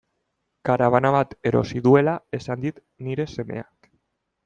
Karabana bat erosi duela esan dit nire semeak.